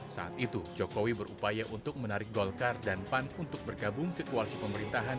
saat itu jokowi berupaya untuk menarik golkar dan pan untuk bergabung ke koalisi pemerintahan